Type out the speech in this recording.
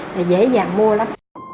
thì dễ dàng mua lắm